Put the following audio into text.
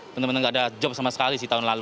teman teman nggak ada job sama sekali sih tahun lalu